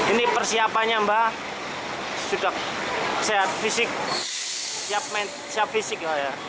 ini persiapannya mbak sudah sehat fisik